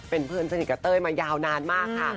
เป็นเพื่อนสนิทกับเต้ยมายาวนานมากค่ะ